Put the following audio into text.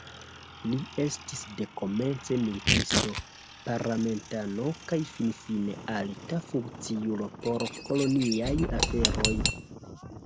Li estis dekomence militisto, parlamentano kaj finfine alta funkciulo por koloniaj aferoj.